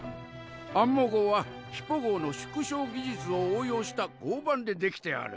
アンモ号はヒポ号の縮小技術を応用した合板で出来ておる。